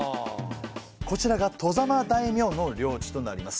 こちらが外様大名の領地となります。